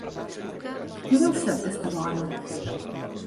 ¿Qui deu ser aquesta dona?